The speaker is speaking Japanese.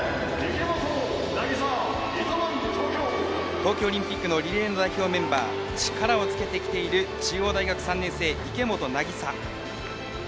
東京オリンピックのリレーの代表メンバー力をつけてきている、池本。